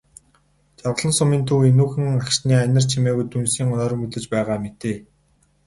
Жаргалан сумын төв энүүхэн агшны анир чимээгүйд дүнсийн нойрмоглож байгаа мэтээ.